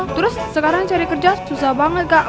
terus sekarang cari kerja susah banget kak